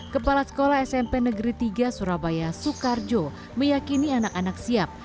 kepala sekolah smp negeri tiga surabaya soekarjo meyakini anak anak siap